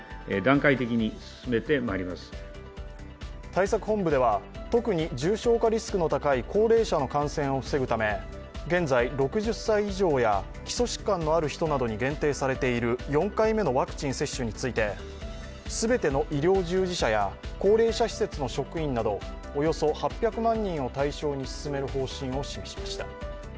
対策本部では特に重症化リスクの高い高齢者の感染を防ぐため現在、６０歳以上や基礎疾患のある人などに限定されている４回目のワクチン接種について、全ての医療従事者や高齢者施設の職員などおよそ８００万人を対象に進める方針を示しました。